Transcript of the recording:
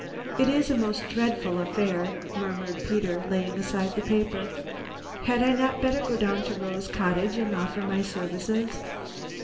"It's a most dreadful affair," murmured Peter, laying aside the paper. "Had I not better go down to Rose Cottage and offer my services?"